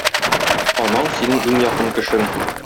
Анаң синең иң якын кешең.